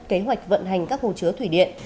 kế hoạch vận hành các hồ chứa thủy điện